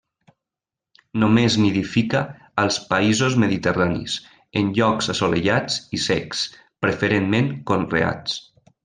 Només nidifica als països mediterranis, en llocs assolellats i secs, preferentment conreats.